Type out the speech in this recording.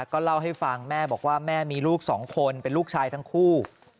ก็เล่าให้ฟังแม่บอกว่าแม่มีลูกสองคนเป็นลูกชายทั้งคู่